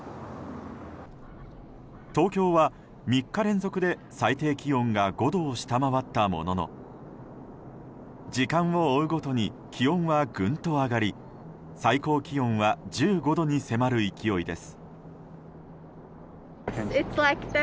東京は３日連続で最低気温が５度を下回ったものの時間を追うごとに気温はぐんと上がり最高気温は１５度に迫る勢いです。